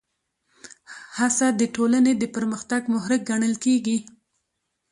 هڅه د ټولنې د پرمختګ محرک ګڼل کېږي.